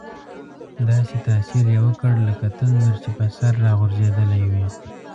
داسې تاثیر یې وکړ لکه تندر چې په سر را غورځېدلی وي.